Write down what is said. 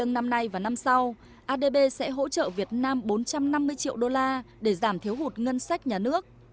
năm nay và năm sau adb sẽ hỗ trợ việt nam bốn trăm năm mươi triệu đô la để giảm thiếu hụt ngân sách nhà nước